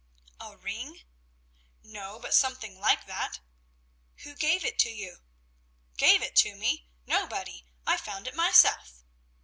"A ring?" "No, but something like that." "Who gave it to you?" "Gave it to me? Nobody. I found it myself."